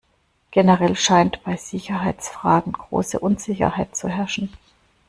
Generell scheint bei Sicherheitsfragen große Unsicherheit zu herrschen.